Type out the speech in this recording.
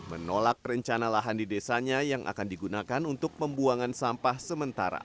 menolak rencana lahan di desanya yang akan digunakan untuk pembuangan sampah sementara